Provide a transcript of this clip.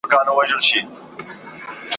د هغه مغفور روح ته دعا کوم `